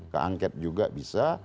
ke angket juga bisa